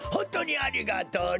ありがとね！